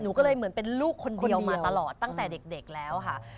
ก็เลยเหมือนเป็นลูกคนเดียวมาตลอดตั้งแต่เด็กแล้วค่ะ